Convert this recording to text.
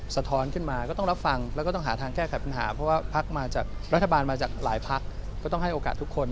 สะท้อนขึ้นมาก็ต้องรับฟังแล้วก็ต้องหาทางแก้ไขปัญหาเพราะว่าพักมาจากรัฐบาลมาจากหลายพักก็ต้องให้โอกาสทุกคน